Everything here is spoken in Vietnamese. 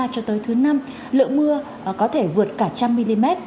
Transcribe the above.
cho tới thứ năm lượng mưa có thể vượt cả một trăm linh mm